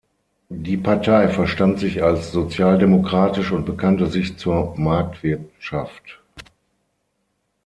Die Partei verstand sich als sozialdemokratisch und bekannte sich zur Marktwirtschaft.